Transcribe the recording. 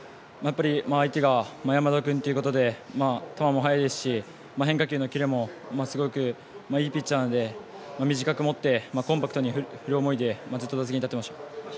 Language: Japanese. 相手が山田君ということで球も速いですし変化球のキレもすごくいいピッチャーなので短く持ってコンパクトに振る思いでずっと打席に立っていました。